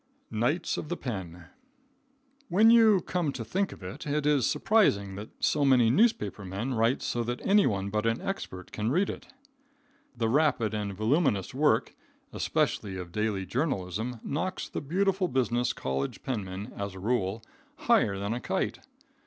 Knights of the Pen. When you come to think of it, it is surprising that so many newspaper men write so that any one but an expert can read it. The rapid and voluminous work, especially of daily journalism, knocks the beautiful business college penman, as a rule, higher than a kite.